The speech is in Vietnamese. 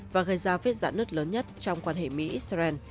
và gây ra viết giãn nứt lớn nhất trong quan hệ mỹ israel